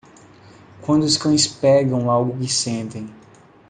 Quando os cães pegam algo que sentem.